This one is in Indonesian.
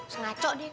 sengaco deh kak